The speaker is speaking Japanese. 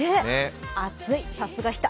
暑い、さすが日田。